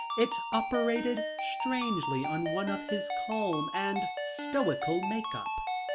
It operated strangely on one of his calm and stoical make up.